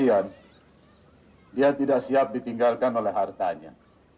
ya kasihan dia tidak siap ditinggalkan oleh hartanya